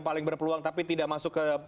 paling berpeluang tapi tidak masuk ke